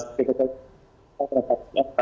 sekitar rp dua puluh